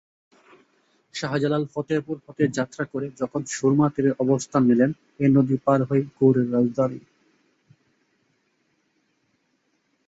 শাহ জালাল ফতেপুর হতে যাত্রা করে যখন সুরমা তীরে অবস্থান নিলেন, এ নদী পার হয়েই গৌড়ের রাজধানী।